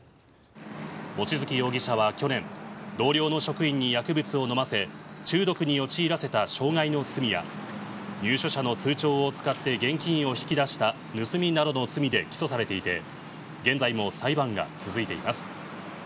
望月容疑者は去年同僚の職員に薬物を飲ませ中毒に陥らせた傷害の罪や入所者の通帳を使って現金を引き出した盗みなどの罪で起訴されていて現在も裁判が続いています。